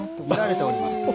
見られております。